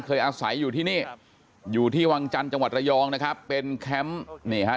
อาศัยอยู่ที่นี่อยู่ที่วังจันทร์จังหวัดระยองนะครับเป็นแคมป์นี่ฮะ